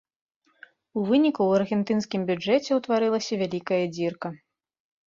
У выніку ў аргентынскім бюджэце ўтварылася вялікая дзірка.